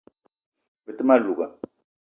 Be te ma louga